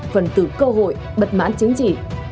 phần tử cơ hội bật mãn chính trị